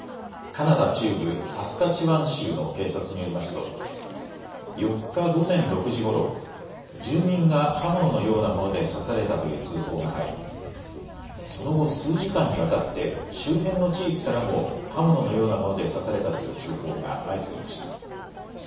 カナダ中部サスカチワン州の警察によりますと４日午前６時ごろ住民が刃物のようなもので刺されたという通報が入りその後、数時間にわたって周辺の地域からも刃物のようなもので刺されたという通報が相次ぎました。